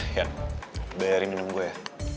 iyan bayarin ini gue ya